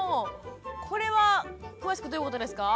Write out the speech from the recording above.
これは詳しくどういうことですか？